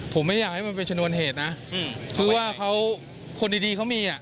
ผมไม่อยากให้มันเป็นชนวนเหตุนะคือว่าเขาคนดีเขามีอ่ะ